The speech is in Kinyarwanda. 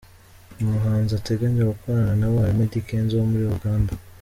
Mu bahanzi ateganya gukorana nabo harimo Eddy Kenzo wo muri Uganda.